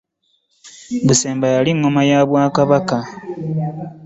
Busemba yali ŋŋoma ya bwakabaka .